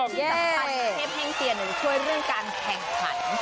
และที่สำคัญในเทศเฮงเจียนจะช่วยเรื่องการแข่งขัน